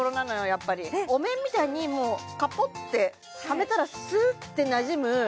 やっぱりお面みたいにもうカポってはめたらスーッてなじむ